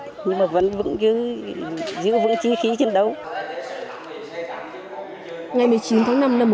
nhưng mà vẫn giữ vững chi khí chiến đấu